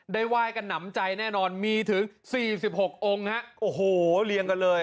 ไหว้กันหนำใจแน่นอนมีถึง๔๖องค์ฮะโอ้โหเรียงกันเลย